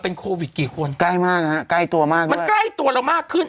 โควิดกี่คนใกล้มากนะฮะใกล้ตัวมากเลยมันใกล้ตัวเรามากขึ้น